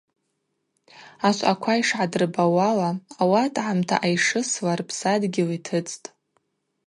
Ашвъаква йшгӏадырбауала, ауат гӏамта айшысла рпсадгьыл йтыцӏтӏ.